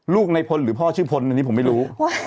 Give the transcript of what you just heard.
ลูกในพลหรือพ่อชื่อพลอันนี้ผมไม่รู้